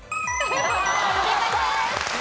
正解です。